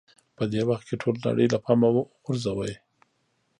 په دې وخت کې ټوله نړۍ له پامه غورځوئ.